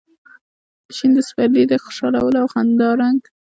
شین د سپرلي د خوشحالو او د خندا رنګ